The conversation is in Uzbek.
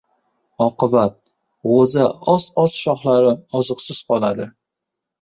Oqibat — g‘o‘za ost-ost shoxlari oziqsiz qoladi.